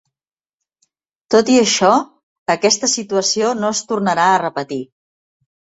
Tot i això, aquesta situació no es tornarà a repetir.